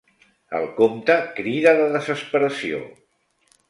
El comte crida de desesperació.